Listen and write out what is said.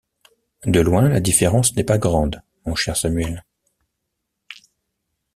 De loin, la différence n’est pas grande, mon cher Samuel.